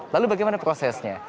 lalu bagaimana prosesnya